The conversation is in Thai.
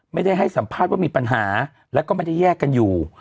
ให้สัมภาษณ์ว่ามีปัญหาแล้วก็ไม่ได้แยกกันอยู่